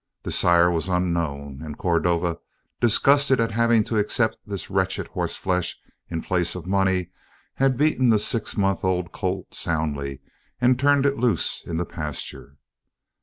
The sire was unknown, and Cordova, disgusted at having to accept this wretched horseflesh in place of money, had beaten the six months' old colt soundly and turned it loose in the pasture.